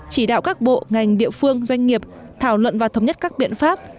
chỉ đạo các bộ ngành địa phương doanh nghiệp thảo luận và thống nhất các biện pháp